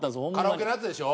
カラオケのやつでしょ？